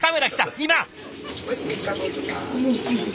今！